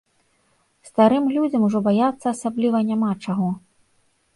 Старым людзям ужо баяцца асабліва няма чаго.